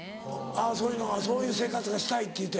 あぁそういう生活がしたいって言うて。